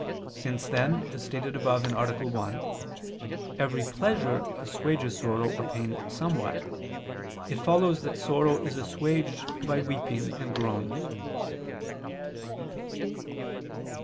Since then, as stated above (A. 1), every pleasure assuages sorrow or pain somewhat, it follows that sorrow is assuaged by weeping and groans.